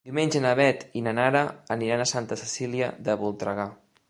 Diumenge na Beth i na Nara aniran a Santa Cecília de Voltregà.